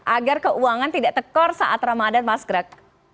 agar keuangan tidak tekor saat ramadan mas greg